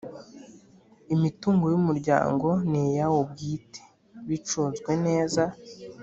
Imitungo y’umuryango ni iyawo bwite bicunzwe neza